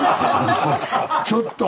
ちょっと！